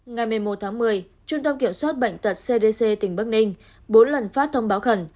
ngày một mươi một tháng một mươi trung tâm kiểm soát bệnh tật cdc tỉnh bắc ninh bốn lần phát thông báo khẩn